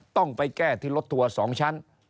ต้องไปแก้ที่ลดถั่วสองชั้น